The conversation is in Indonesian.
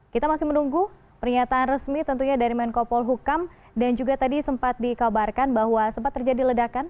kita masih menunggu pernyataan resmi tentunya dari menko polhukam dan juga tadi sempat dikabarkan bahwa sempat terjadi ledakan